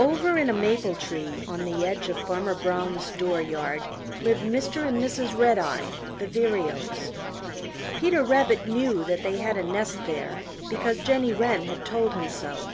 Over in a maple tree on the edge of Farmer Brown's door yard lived Mr. and Mrs. Redeye the Vireos. Peter Rabbit knew that they had a nest there because Jenny Wren had told him so.